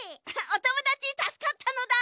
おともだちたすかったのだ！